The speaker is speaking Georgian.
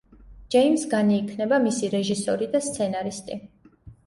ჯეიმზ განი იქნება მისი რეჟისორი და სცენარისტი.